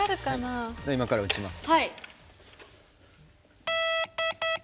今から打ちます。